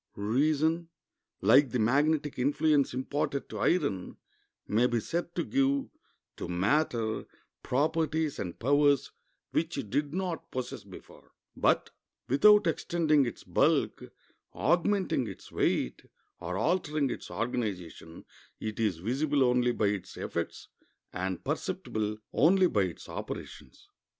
Reason, like the magnetic influence imparted to iron, may be said to give to matter properties and powers which it did not possess before; but, without extending its bulk, augmenting its weight, or altering its organization, it is visible only by its effects and perceptible only by its operations.